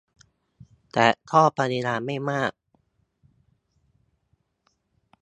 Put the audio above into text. แต่ก็ปริมาณไม่มาก